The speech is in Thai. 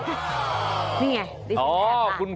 นี่ไงดิฉันแทนค่ะ